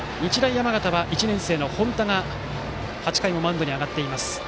山形は１年生の本田が８回もマウンドに上がっています。